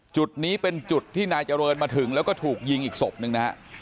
จุดนี้เป็นจุดที่นายเจริญมาถึงแล้วก็ถูกยิงอีกศพหนึ่งนะฮะ